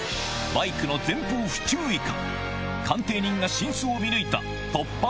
バイクの前方不注意か？